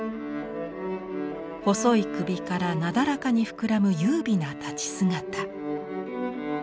細い頸からなだらかに膨らむ優美な立ち姿。